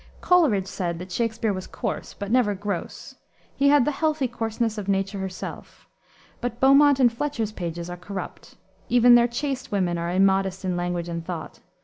Coleridge said that Shakspere was coarse, but never gross. He had the healthy coarseness of nature herself. But Beaumont and Fletcher's pages are corrupt. Even their chaste women are immodest in language and thought.